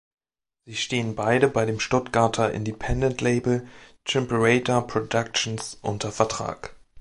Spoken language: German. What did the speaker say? Sie stehen beide bei dem Stuttgarter Independent-Label "Chimperator Productions" unter Vertrag.